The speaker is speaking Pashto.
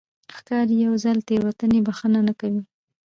ښکاري د یو ځل تېروتنې بښنه نه کوي.